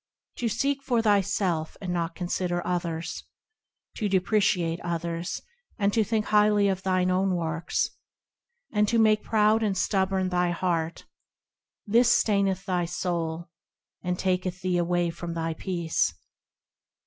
To seek for thyself and not to consider others, To depreciate others, and to think highly of thine own Works, And to make proud and stubborn thy heart,– This staineth thy soul, and taketh thee away from thy peace.